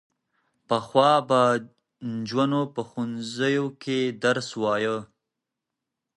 پخوا به نجونو په ښوونځیو کې درس وايه.